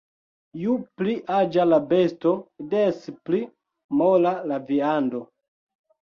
Ju pli aĝa la besto, des pli mola la viando.